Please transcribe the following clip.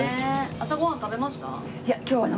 朝ご飯食べました？